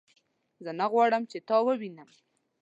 زه نه غواړم چې تا ووینم